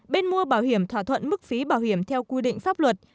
bên mua bảo hiểm thỏa thuận mức phí bảo hiểm theo quy định pháp luật